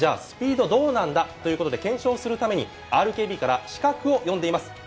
スピードどうなんだということで検証するためにＲＫＢから刺客を読んでいます。